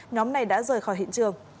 nhóm này đã rời khỏi hiện trường